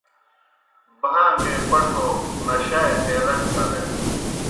بھان٘گے پٹھو نشائے پیلہ گہ سنینَن۔